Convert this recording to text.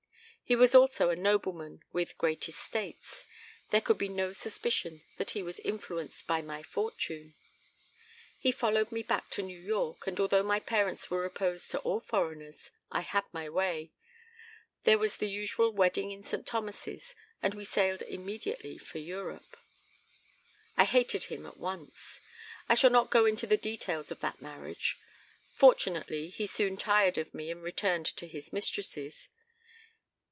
He was also a nobleman with great estates; there could be no suspicion that he was influenced by my fortune. He followed me back to New York, and although my parents were opposed to all foreigners, I had my way; there was the usual wedding in Saint Thomas's, and we sailed immediately for Europe. "I hated him at once. I shall not go into the details of that marriage. Fortunately he soon tired of me and returned to his mistresses.